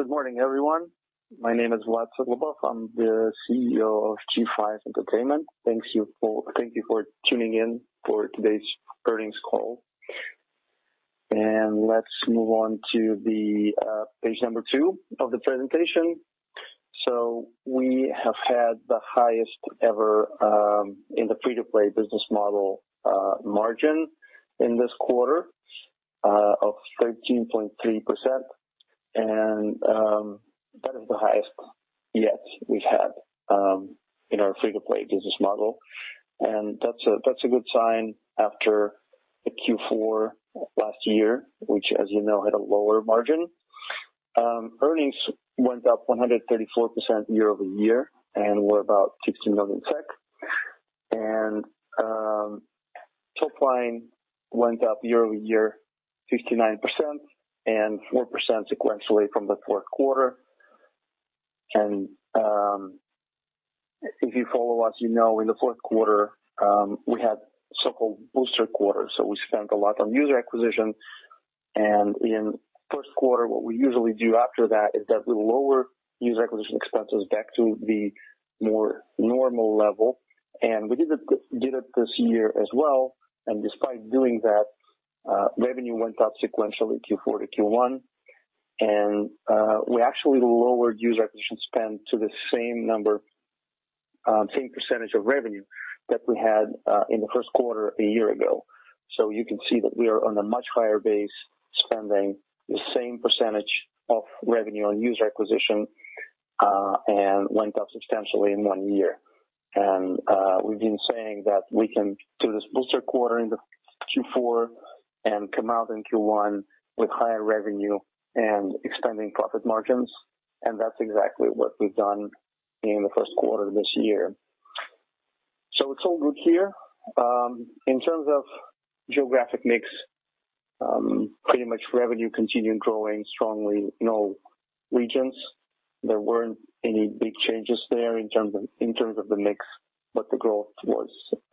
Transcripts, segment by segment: Good morning, everyone. My name is Vlad Suglobov. I'm the CEO of G5 Entertainment. Thank you for tuning in for today's earnings call. Let's move on to page number two of the presentation. We have had the highest ever, in the free-to-play business model, margin in this quarter of 13.3%, and that is the highest yet we had in our free-to-play business model. That's a good sign after the Q4 last year, which, as you know, had a lower margin. Earnings went up 134% year-over-year and were about 60 million SEK. Top line went up year-over-year 59% and 4% sequentially from the fourth quarter. If you follow us, you know in the fourth quarter, we had so-called booster quarters, so we spent a lot on user acquisition. In first quarter, what we usually do after that is that we lower user acquisition expenses back to the more normal level. We did it this year as well. Despite doing that, revenue went up sequentially Q4 to Q1. We actually lowered user acquisition spend to the same percentage of revenue that we had in the first quarter a year ago. You can see that we are on a much higher base, spending the same percentage of revenue on user acquisition, and went up substantially in one year. We've been saying that we can do this booster quarter in the Q4 and come out in Q1 with higher revenue and extending profit margins, and that's exactly what we've done in the first quarter of this year. It's all good here. In terms of geographic mix, pretty much revenue continued growing strongly in all regions. There weren't any big changes there in terms of the mix, but the growth was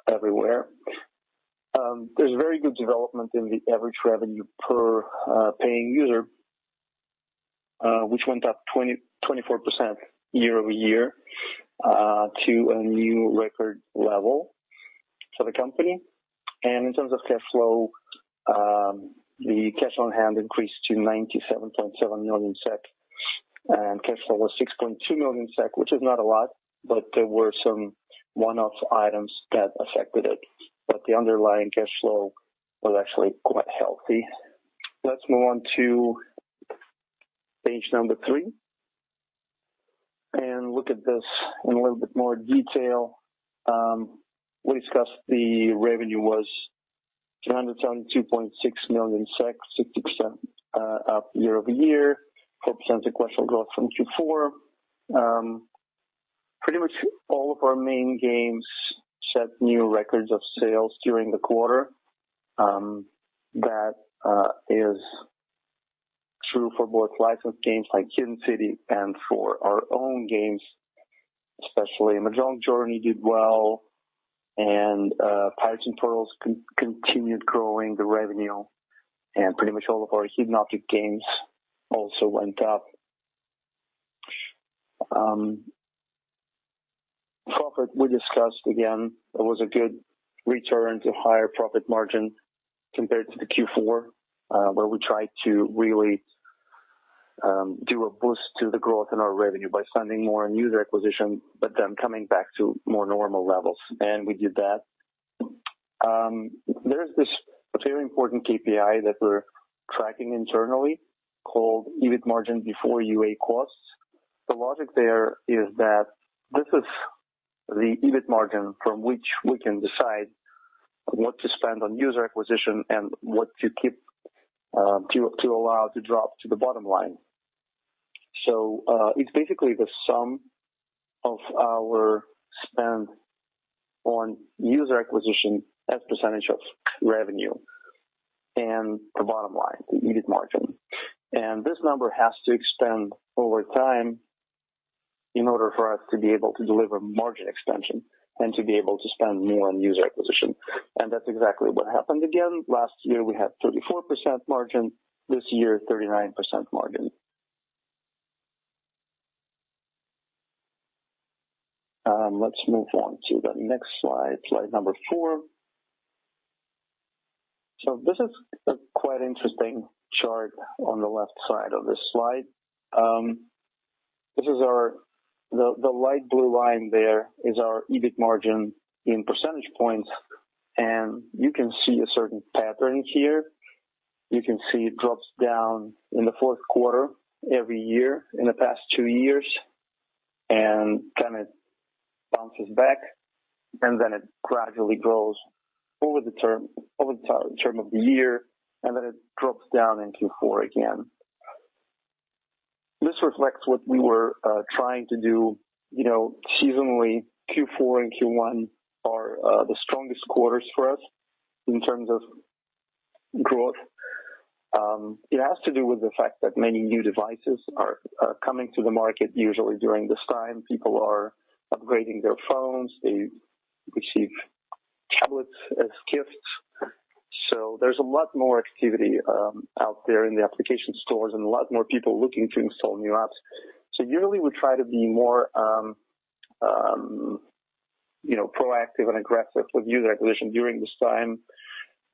everywhere. There's very good development in the average revenue per paying user, which went up 24% year-over-year, to a new record level for the company. In terms of cash flow, the cash on hand increased to 97.7 million SEK, and cash flow was 6.2 million SEK, which is not a lot, but there were some one-off items that affected it. The underlying cash flow was actually quite healthy. Let's move on to page number three and look at this in a little bit more detail. We discussed the revenue was SEK 322.6 million, 59% up year-over-year, 4% sequential growth from Q4. Pretty much all of our main games set new records of sales during the quarter. That is true for both licensed games like Hidden City and for our own games especially. Mahjong Journey did well, and Pirates & Pearls continued growing the revenue, and pretty much all of our Hidden Object games also went up. Profit, we discussed again. It was a good return to higher profit margin compared to the Q4, where we tried to really do a boost to the growth in our revenue by spending more on user acquisition, but then coming back to more normal levels. We did that. There's this very important KPI that we're tracking internally called EBIT margin before UA costs. The logic there is that this is the EBIT margin from which we can decide what to spend on user acquisition and what to allow to drop to the bottom line. It's basically the sum of our spend on user acquisition as percentage of revenue and the bottom line, the EBIT margin. This number has to extend over time in order for us to be able to deliver margin extension and to be able to spend more on user acquisition. That's exactly what happened again. Last year, we had 34% margin. This year, 39% margin. Let's move on to the next slide number four. This is a quite interesting chart on the left side of this slide. The light blue line there is our EBIT margin in percentage points, and you can see a certain pattern here. You can see it drops down in the fourth quarter every year in the past two years, and then it bounces back, and then it gradually grows over the term of the year, and then it drops down in Q4 again. This reflects what we were trying to do. Seasonally, Q4 and Q1 are the strongest quarters for us in terms of growth. It has to do with the fact that many new devices are coming to the market usually during this time. People are upgrading their phones. They receive tablets as gifts. There's a lot more activity out there in the application stores and a lot more people looking to install new apps. Yearly, we try to be more proactive and aggressive with user acquisition during this time.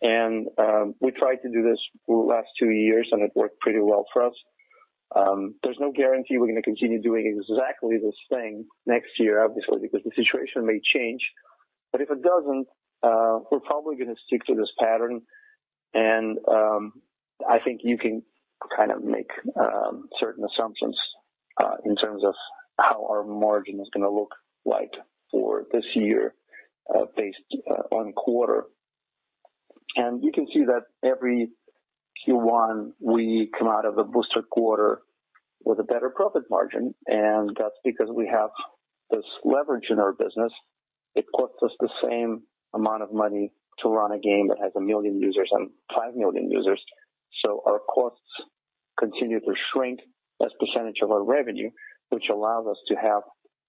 We tried to do this for the last two years, and it worked pretty well for us. There's no guarantee we're going to continue doing exactly this thing next year, obviously, because the situation may change. If it doesn't, we're probably going to stick to this pattern, and I think you can make certain assumptions in terms of how our margin is going to look like for this year based on quarter. You can see that every Q1, we come out of a booster quarter with a better profit margin, and that's because we have this leverage in our business. It costs us the same amount of money to run a game that has 1 million users and 5 million users. Our costs continue to shrink as a percentage of our revenue, which allows us to have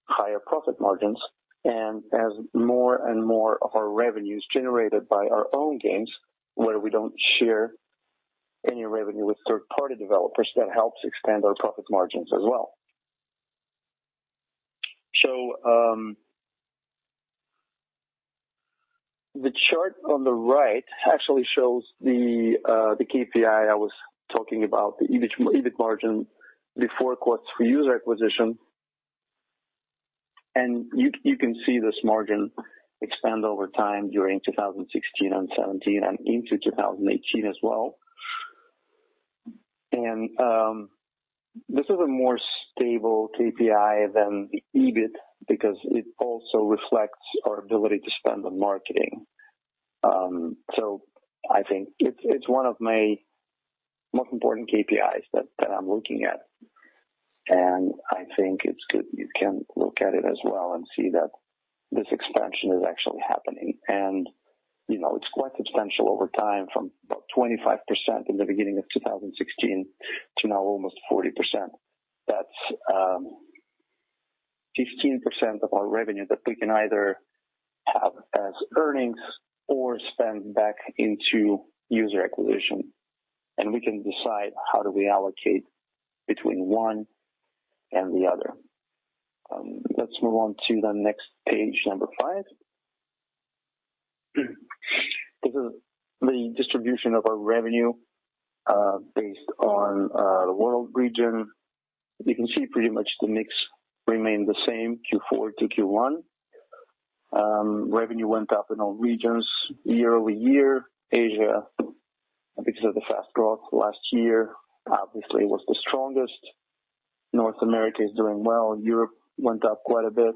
higher profit margins. As more and more of our revenues generated by our own games, where we don't share any revenue with third-party developers, that helps expand our profit margins as well. The chart on the right actually shows the KPI I was talking about, the EBIT margin before costs for user acquisition. You can see this margin expand over time during 2016 and 2017 and into 2018 as well. This is a more stable KPI than the EBIT because it also reflects our ability to spend on marketing. I think it's one of my most important KPIs that I'm looking at, and I think it's good you can look at it as well and see that this expansion is actually happening. It's quite substantial over time, from about 25% in the beginning of 2016 to now almost 40%. That's 15% of our revenue that we can either have as earnings or spend back into user acquisition. We can decide how do we allocate between one and the other. Let's move on to the next page, number five. This is the distribution of our revenue based on the world region. You can see pretty much the mix remained the same Q4 to Q1. Revenue went up in all regions year-over-year. Asia, because of the fast growth last year, obviously was the strongest. North America is doing well. Europe went up quite a bit.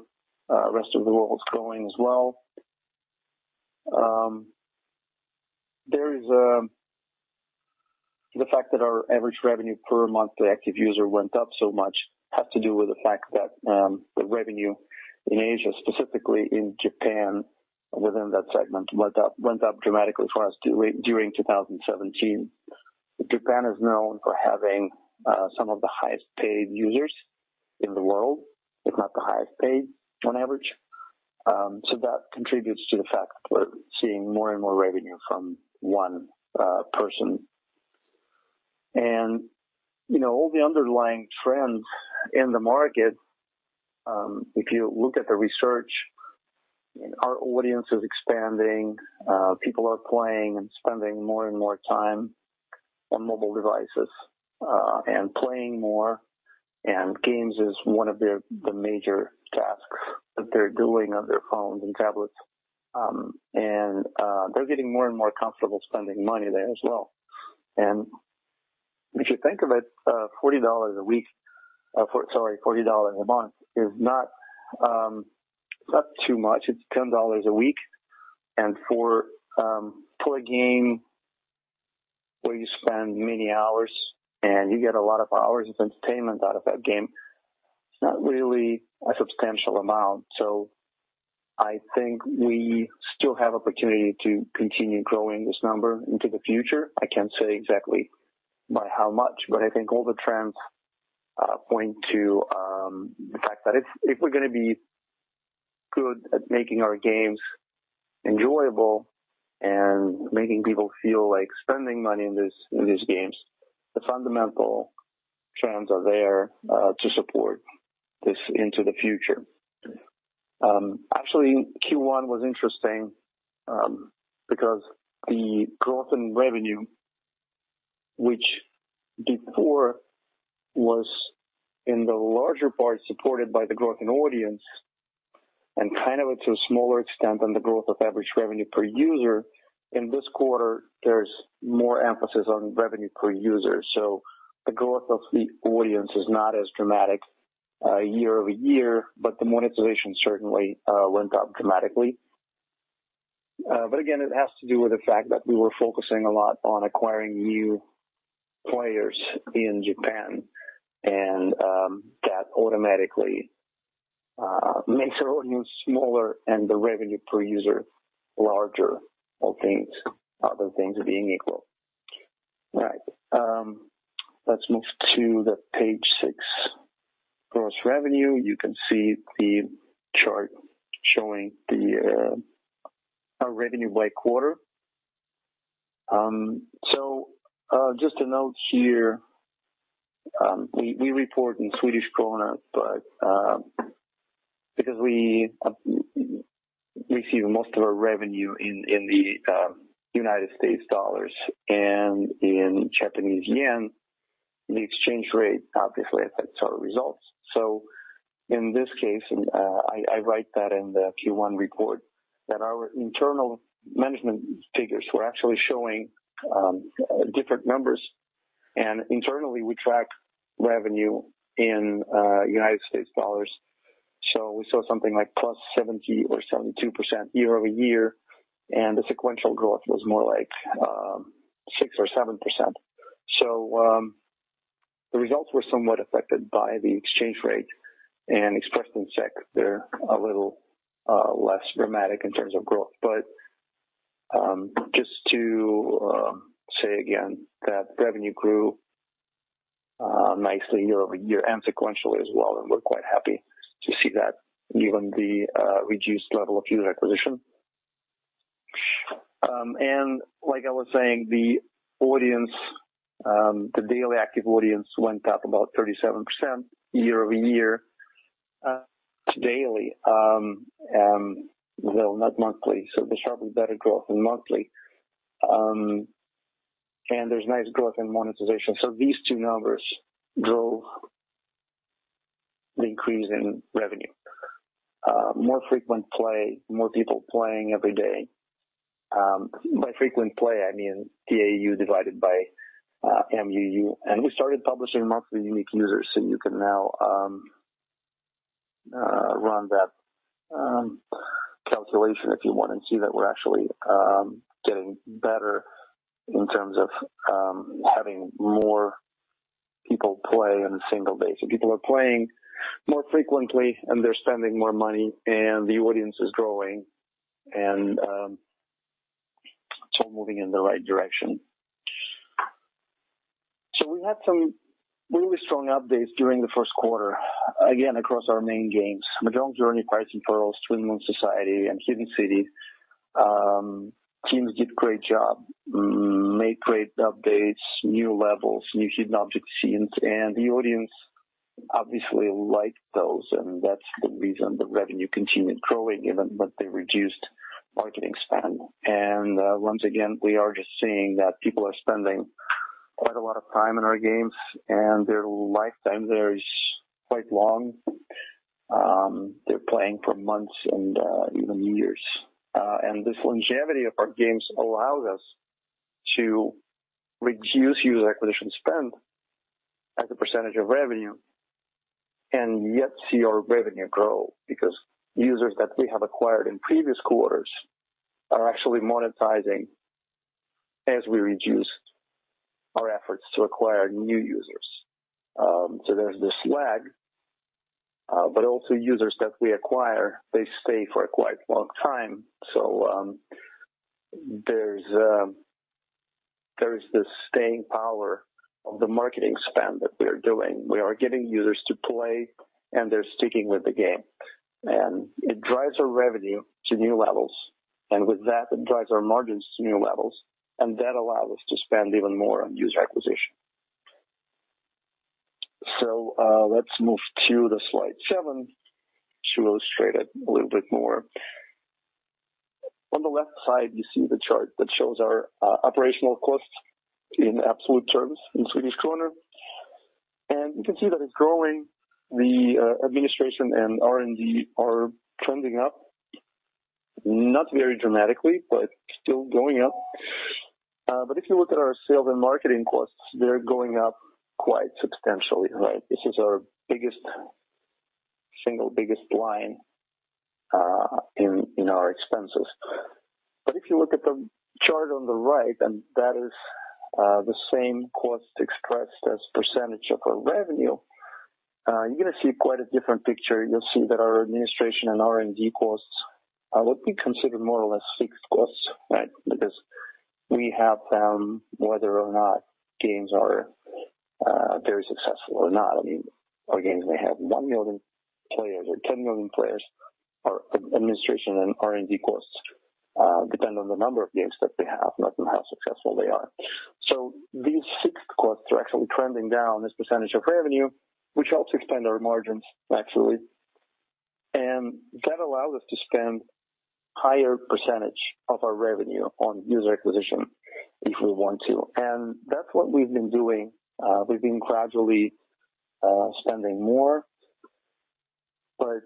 Rest of the world is growing as well. The fact that our average revenue per monthly active user went up so much has to do with the fact that the revenue in Asia, specifically in Japan, within that segment, went up dramatically for us during 2017. Japan is known for having some of the highest-paid users in the world, if not the highest-paid on average. That contributes to the fact that we're seeing more and more revenue from one person. All the underlying trends in the market, if you look at the research, our audience is expanding. People are playing and spending more and more time on mobile devices, and playing more. Games is one of the major tasks that they're doing on their phones and tablets. They're getting more and more comfortable spending money there as well. If you think of it, SEK 40 a month is not too much. It's SEK 10 a week, and for a game where you spend many hours and you get a lot of hours of entertainment out of that game, it's not really a substantial amount. I think we still have opportunity to continue growing this number into the future. I can't say exactly by how much, but I think all the trends point to the fact that if we're going to be good at making our games enjoyable and making people feel like spending money in these games, the fundamental trends are there to support this into the future. Actually, Q1 was interesting because the growth in revenue, which before was in the larger part supported by the growth in audience and to a smaller extent on the growth of average revenue per user, in this quarter, there's more emphasis on revenue per user. The growth of the audience is not as dramatic year-over-year, but the monetization certainly went up dramatically. Again, it has to do with the fact that we were focusing a lot on acquiring new players in Japan. That automatically makes our audience smaller and the revenue per user larger, other things being equal. Right. Let's move to the page six, gross revenue. You can see the chart showing our revenue by quarter. Just a note here, we report in Swedish krona, but because we receive most of our revenue in the United States dollars and in Japanese yen, the exchange rate obviously affects our results. In this case, I write that in the Q1 report, that our internal management figures were actually showing different numbers, and internally, we track revenue in United States dollars. We saw something like +70% or 72% year-over-year, and the sequential growth was more like 6% or 7%. The results were somewhat affected by the exchange rate and expressed in SEK, they're a little less dramatic in terms of growth. Just to say again that revenue grew nicely year-over-year and sequentially as well, and we're quite happy to see that given the reduced level of user acquisition. Like I was saying, the daily active audience went up about 37% year-over-year daily, well, not monthly, so there's sharply better growth in monthly. There's nice growth in monetization. These two numbers drove the increase in revenue. More frequent play, more people playing every day. By frequent play, I mean DAU divided by MAU. We started publishing monthly unique users, so you can now run that calculation if you want and see that we're actually getting better in terms of having more people play on a single day. People are playing more frequently, and they're spending more money, and the audience is growing, and it's all moving in the right direction. We had some really strong updates during the first quarter, again, across our main games, "Mahjong Journey," "Pirates & Pearls," "Twin Moons Society," and "Hidden City." Teams did a great job, made great updates, new levels, new hidden object scenes, and the audience obviously liked those, and that's the reason the revenue continued growing even with the reduced marketing spend. Once again, we are just seeing that people are spending quite a lot of time in our games, and their lifetime there is quite long. They're playing for months and even years. This longevity of our games allows us to reduce user acquisition spend as a percentage of revenue and yet see our revenue grow because users that we have acquired in previous quarters are actually monetizing as we reduce our efforts to acquire new users. There's this lag, but also users that we acquire, they stay for quite a long time. There is this staying power of the marketing spend that we are doing. We are getting users to play, and they're sticking with the game. It drives our revenue to new levels. With that, it drives our margins to new levels, and that allows us to spend even more on user acquisition. Let's move to the slide seven to illustrate it a little bit more. On the left side, you see the chart that shows our operational costs in absolute terms in Swedish krona. You can see that it's growing. The administration and R&D are trending up, not very dramatically, but still going up. If you look at our sales and marketing costs, they're going up quite substantially, right? This is our single biggest line in our expenses. If you look at the chart on the right, that is the same cost expressed as percentage of our revenue, you're going to see quite a different picture. You'll see that our administration and R&D costs are what we consider more or less fixed costs, right? Because we have them whether or not games are very successful or not. I mean, our games may have 1 million players or 10 million players. Our administration and R&D costs depend on the number of games that we have, not on how successful they are. These fixed costs are actually trending down as percentage of revenue, which helps expand our margins actually. That allows us to spend higher percentage of our revenue on user acquisition if we want to. That's what we've been doing. We've been gradually spending more, but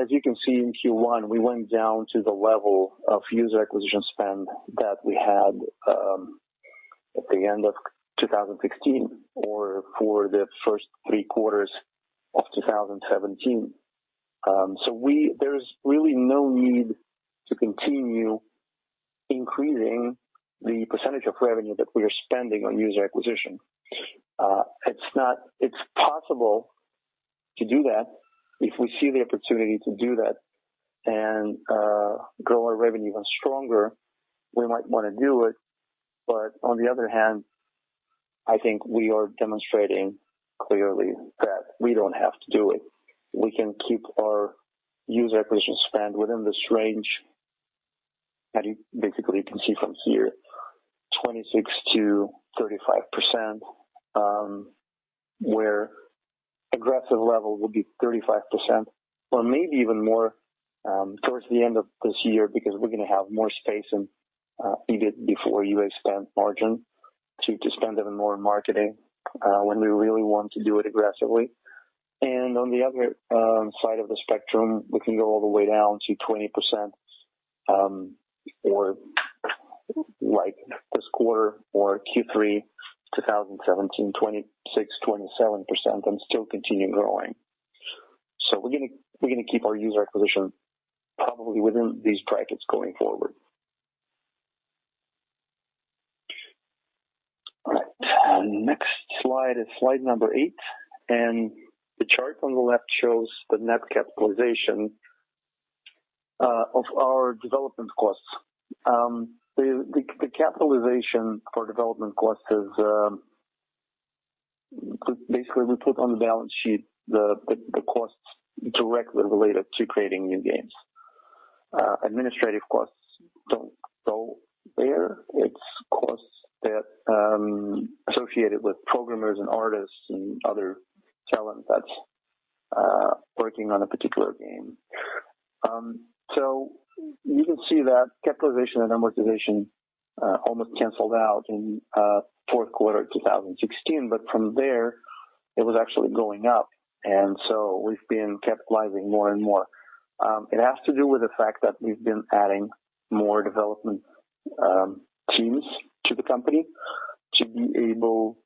as you can see in Q1, we went down to the level of user acquisition spend that we had at the end of 2016 or for the first three quarters of 2017. There's really no need to continue increasing the percentage of revenue that we are spending on user acquisition. It's possible to do that, if we see the opportunity to do that and grow our revenue even stronger, we might want to do it. On the other hand, I think we are demonstrating clearly that we don't have to do it. We can keep our user acquisition spend within this range, basically, you can see from here, 26%-35%, where aggressive level would be 35%, or maybe even more towards the end of this year, because we're going to have more space in EBITDA before UA spend margin to spend even more in marketing when we really want to do it aggressively. On the other side of the spectrum, we can go all the way down to 20%, or like this quarter or Q3 2017, 26%, 27%, and still continue growing. We're going to keep our user acquisition probably within these brackets going forward. All right. Next slide is slide number eight, the chart on the left shows the net capitalization of our development costs. The capitalization for development costs is, basically, we put on the balance sheet the costs directly related to creating new games. Administrative costs don't go there. It's costs that associated with programmers and artists and other talent that's working on a particular game. You can see that capitalization and amortization almost canceled out in fourth quarter of 2016. From there, it was actually going up. We've been capitalizing more and more. It has to do with the fact that we've been adding more development teams to the company to be able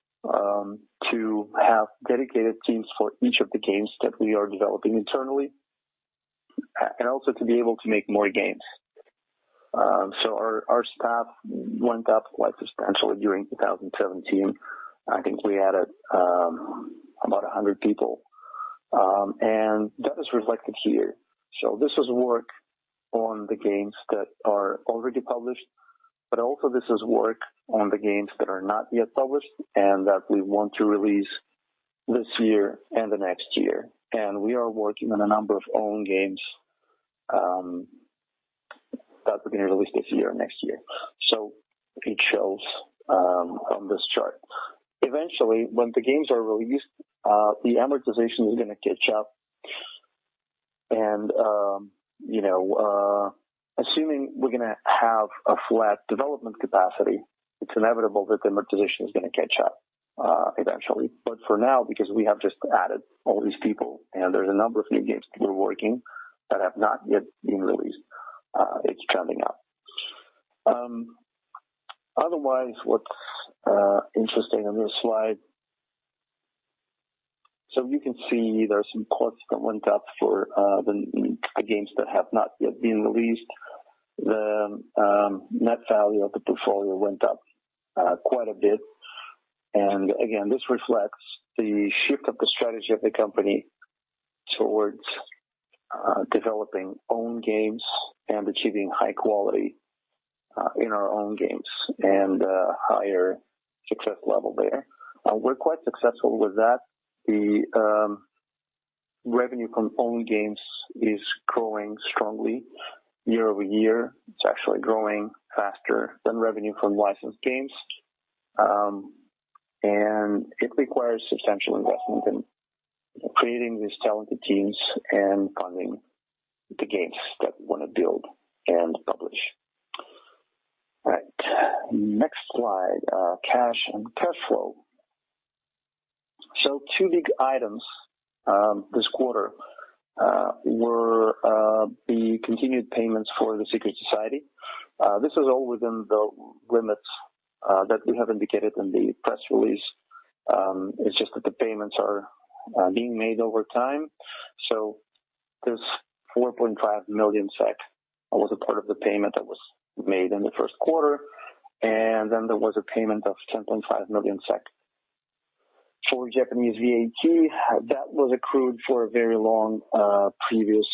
to have dedicated teams for each of the games that we are developing internally, also to be able to make more games. Our staff went up quite substantially during 2017. I think we added about 100 people. That is reflected here. This is work on the games that are already published, also this is work on the games that are not yet published that we want to release this year the next year. We are working on a number of own games that we're going to release this year or next year. It shows on this chart. Eventually, when the games are released, the amortization is going to catch up. Assuming we're going to have a flat development capacity, it's inevitable that amortization is going to catch up eventually. For now, because we have just added all these people and there's a number of new games that we're working that have not yet been released, it's trending up. Otherwise, what's interesting on this slide, you can see there are some costs that went up for the games that have not yet been released. The net value of the portfolio went up quite a bit. Again, this reflects the shift of the strategy of the company towards developing own games and achieving high quality in our own games and a higher success level there. We're quite successful with that. The revenue from own games is growing strongly year-over-year. It's actually growing faster than revenue from licensed games. It requires substantial investment in creating these talented teams and funding the games that we want to build and publish. All right. Next slide, cash and cash flow. Two big items this quarter were the continued payments for The Secret Society. This is all within the limits that we have indicated in the press release. It's just that the payments are being made over time. This 4.5 million SEK was a part of the payment that was made in the first quarter, there was a payment of 10.5 million SEK for Japanese VAT. That was accrued for a very long previous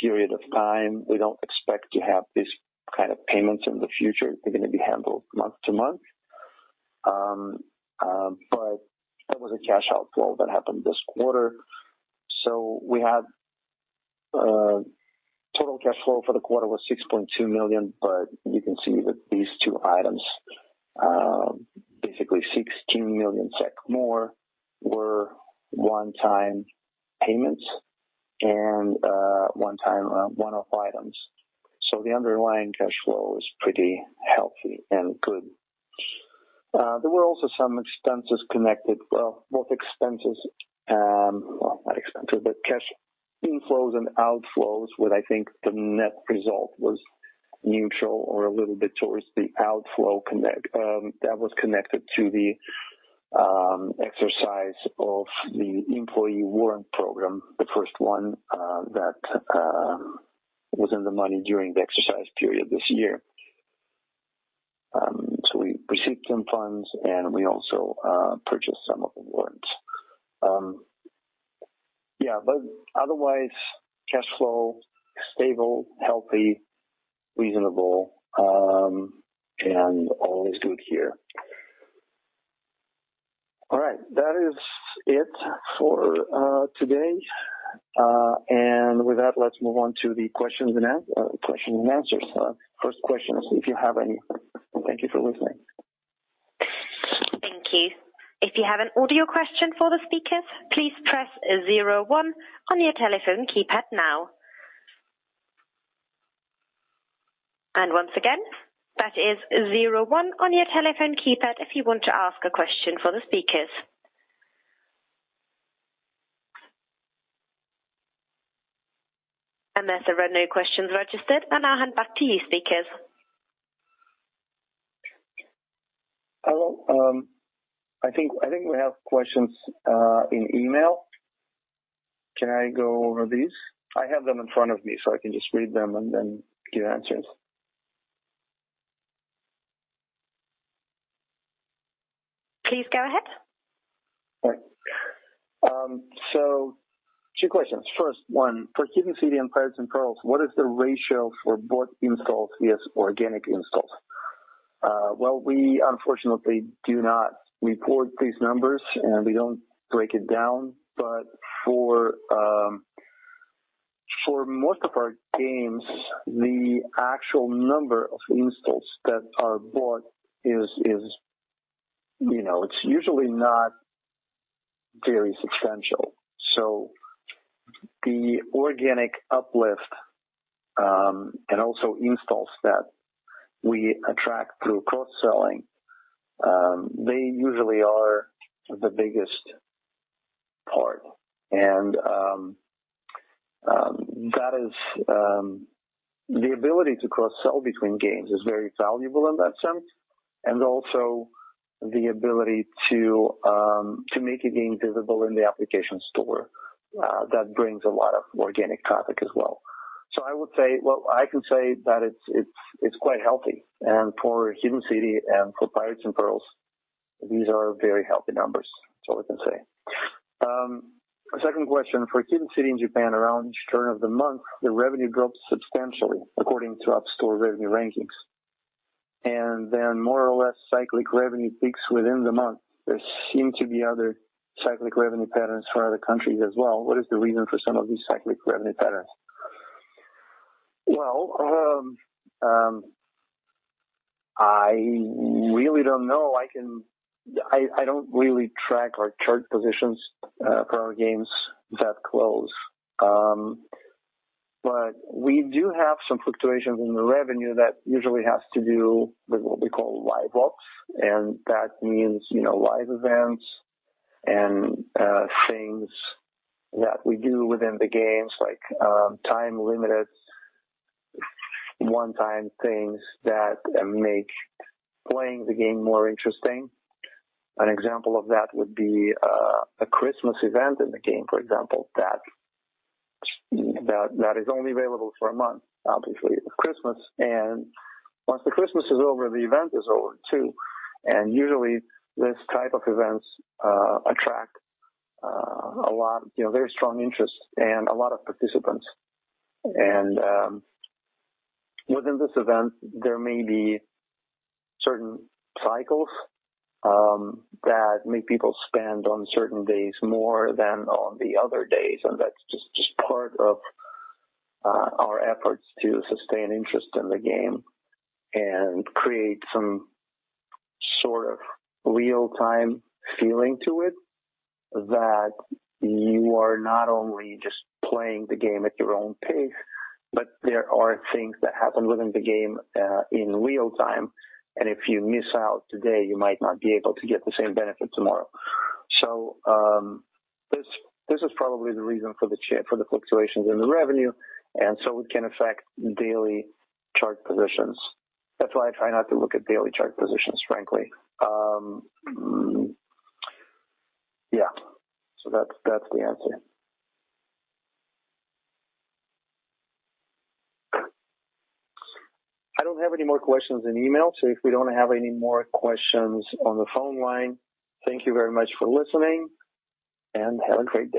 period of time. We don't expect to have this kind of payments in the future. They're going to be handled month-to-month. That was a cash outflow that happened this quarter. We had total cash flow for the quarter was 6.2 million, you can see that these two items basically 16 million SEK more were one-time payments and one-off items. The underlying cash flow is pretty healthy and good. There were also some expenses connected, not expenses, but cash inflows and outflows where I think the net result was neutral or a little bit towards the outflow that was connected to the exercise of the employee warrant program, the first one that was in the money during the exercise period this year. We received some funds, and we also purchased some of the warrants. Otherwise, cash flow, stable, healthy, reasonable, and all is good here. All right. That is it for today. With that, let's move on to the questions and answers. First questions, if you have any. Thank you for listening. Thank you. If you have an audio question for the speakers, please press 01 on your telephone keypad now. Once again, that is 01 on your telephone keypad if you want to ask a question for the speakers. Unless there are no questions registered, I'll hand back to you, speakers. Hello. I think we have questions in email. Can I go over these? I have them in front of me so I can just read them and then give answers. Please go ahead. All right. Two questions. First one, for Hidden City and Pirates & Pearls, what is the ratio for bought installs versus organic installs? We unfortunately do not report these numbers, and we don't break it down. For most of our games, the actual number of installs that are bought it's usually not very substantial. The organic uplift, and also installs that we attract through cross-selling, they usually are the biggest part. The ability to cross-sell between games is very valuable in that sense, and also the ability to make a game visible in the App Store that brings a lot of organic traffic as well. I can say that it's quite healthy. For Hidden City and for Pirates & Pearls, these are very healthy numbers. That's all I can say. Second question, for Hidden City in Japan, around each turn of the month, the revenue drops substantially according to App Store revenue rankings. Then more or less cyclic revenue peaks within the month. There seem to be other cyclic revenue patterns for other countries as well. What is the reason for some of these cyclic revenue patterns? I really don't know. I don't really track our chart positions for our games that close. We do have some fluctuations in the revenue that usually has to do with what we call live ops, and that means live events and things that we do within the games, like time-limited one-time things that make playing the game more interesting. An example of that would be a Christmas event in the game, for example, that is only available for a month, obviously, with Christmas. Once the Christmas is over, the event is over too. Usually, these type of events attract very strong interest and a lot of participants. Within this event, there may be certain cycles that make people spend on certain days more than on the other days, and that's just part of our efforts to sustain interest in the game and create some sort of real-time feeling to it that you are not only just playing the game at your own pace, but there are things that happen within the game in real-time, and if you miss out today, you might not be able to get the same benefit tomorrow. This is probably the reason for the fluctuations in the revenue, and so it can affect daily chart positions. That's why I try not to look at daily chart positions, frankly. That's the answer. I don't have any more questions in email, so if we don't have any more questions on the phone line, thank you very much for listening, and have a great day.